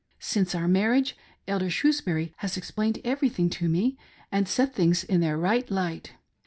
Since our mar riage, Elder Shrewsbury has explained everything to me and set things in their right light.